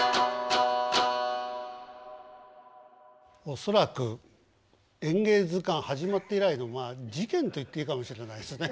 恐らく「演芸図鑑」始まって以来の事件と言っていいかもしれないですね。